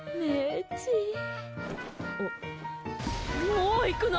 もう行くの？